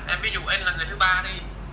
em ví dụ em là người thứ ba đi